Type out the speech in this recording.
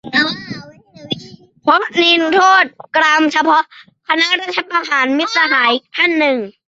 เพราะนิรโทษกรรมเฉพาะคณะรัฐประหาร - มิตรสหายท่านหนึ่ง